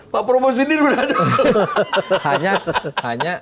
pak promozidin udah ada